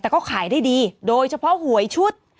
แต่ก็ขายได้ดีโดยเฉพาะหวยชุด